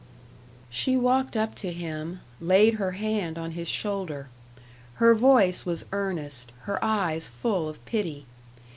She walked up to him, laid her hand on his shoulder. Her voice was earnest, her eyes full of pity.